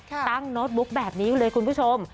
ตั้งโน้ตบุ๊กแบบนี้อยู่เลยคุณผู้ชม